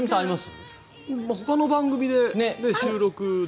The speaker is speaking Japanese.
ほかの番組で収録で。